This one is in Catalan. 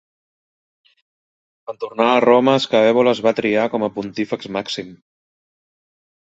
En tornar a Roma, Scaevola es va triar com a pontífex màxim.